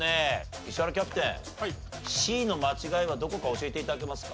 石原キャプテンＣの間違いはどこか教えて頂けますか？